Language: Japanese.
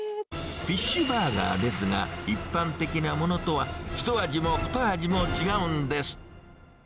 フィッシュバーガーですが、一般的なものとは、ひと味もふた味も違うんです。